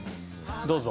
どうぞ。